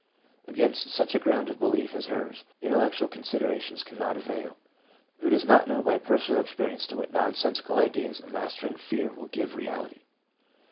Against such a ground of belief as hers, intellectual considerations cannot avail. Who does not know by personal experience to what nonsensical ideas a mastering fear will give reality